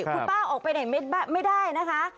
คุณป้าออกไปไหนไม่ได้นะคะ